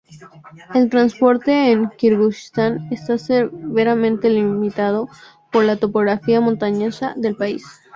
El transporte en Kirguistán está severamente limitado por la topografía montañosa del país.